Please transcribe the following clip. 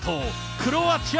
クロアチア